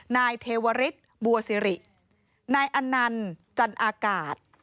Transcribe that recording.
นายเทวริสบัวสิรินายอนันต์จันอากาศ